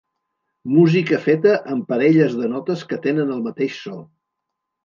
Música feta amb parelles de notes que tenen el mateix so.